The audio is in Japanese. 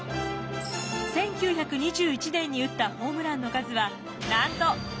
１９２１年に打ったホームランの数はなんと５９本。